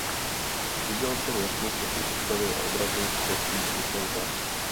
Viděl jsem jasně všechny postavy a obrazy ve svých myšlenkách.